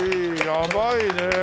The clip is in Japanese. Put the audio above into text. やばいねえ！